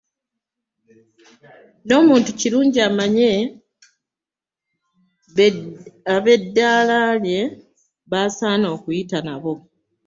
N'omuntu kirungi amanye bb'eddala lye basaana okuyita nabo .